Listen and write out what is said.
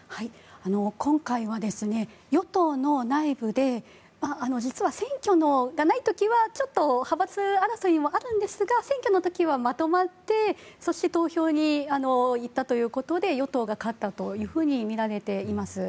今回は、与党の内部で実は選挙がない時はちょっと派閥争いもあるんですが選挙の時はまとまってそして、投票にいったということで与党が勝ったとみられています。